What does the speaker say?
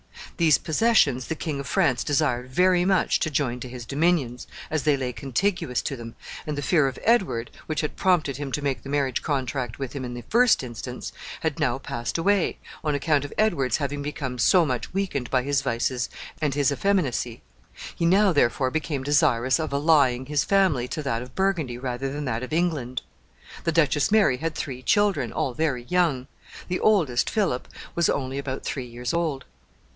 These possessions the King of France desired very much to join to his dominions, as they lay contiguous to them, and the fear of Edward, which had prompted him to make the marriage contract with him in the first instance, had now passed away, on account of Edward's having become so much weakened by his vices and his effeminacy. He now, therefore, became desirous of allying his family to that of Burgundy rather than that of England. The Duchess Mary had three children, all very young. The oldest, Philip, was only about three years old.